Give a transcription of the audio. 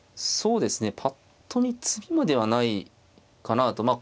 そうですねぱっと見詰みまではないかなと。